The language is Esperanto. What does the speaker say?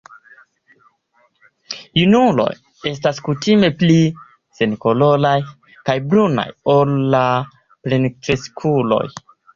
Junuloj estas kutime pli senkoloraj kaj brunaj ol la plenkreskuloj.